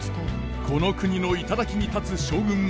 この国の頂に立つ将軍も女。